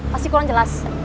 pasti kurang jelas